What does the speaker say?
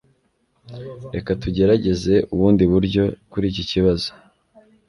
Reka tugerageze ubundi buryo kuri iki kibazo.